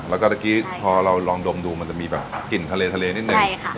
แล้วก็ตะกี้พอเราลองดมดูมันจะมีแบบกลิ่นทะเลทะเลนิดหนึ่งใช่ค่ะ